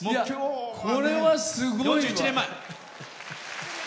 これは、すごいわ！